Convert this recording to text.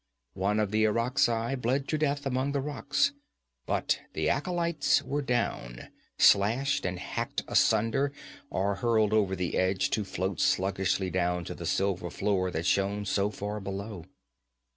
One of the Irakzai bled to death among the rocks, but the acolytes were down slashed and hacked asunder or hurled over the edge to float sluggishly down to the silver floor that shone so far below.